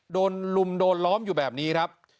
ลุมโดนล้อมอยู่แบบนี้ครับ